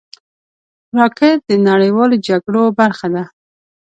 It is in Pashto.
راکټ د نړیوالو جګړو برخه ده